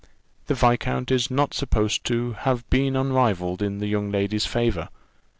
"The viscount is not supposed to have been unrivalled in the young lady's favour.